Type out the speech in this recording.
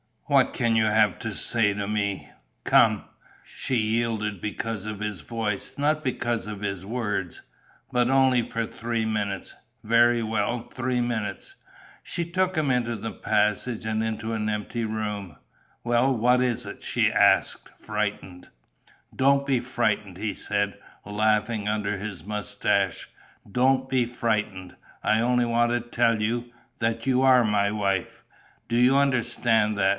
"What can you have to say to me?" "Come." She yielded because of his voice, not because of his words: "But only for three minutes." "Very well, three minutes." She took him into the passage and into an empty room: "Well what is it?" she asked, frightened. "Don't be frightened," he said, laughing under his moustache. "Don't be frightened. I only wanted to tell you ... that you are my wife. Do you understand that?